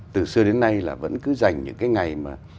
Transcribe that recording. từ xưa đến nay là vẫn cứ dành những cái ngày mà